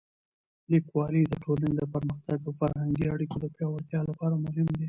لیکوالی د ټولنې د پرمختګ او فرهنګي اړیکو د پیاوړتیا لپاره مهم دی.